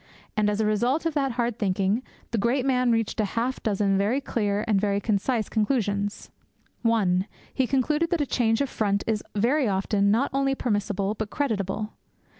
And, as a result of that hard thinking, the great man reached half a dozen very clear and very concise conclusions. (1) He concluded that a change of front is very often not only permissible but creditable.